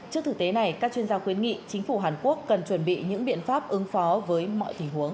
trước thực tế này các chuyên gia khuyến nghị chính phủ hàn quốc cần chuẩn bị những biện pháp ứng phó với mọi tình huống